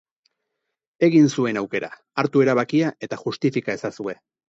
Egin zuen aukera, hartu erabakia, eta justifika ezazue.